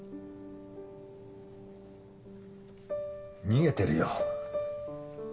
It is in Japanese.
逃げてるよ。